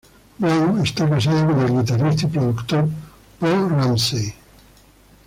Brown está casada con el guitarrista y productor Bo Ramsey.